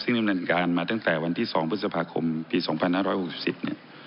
ซึ่งดำเนินการมาตั้งแต่วันที่๒พฤษภาคมปี๒๕๖๐เนี่ย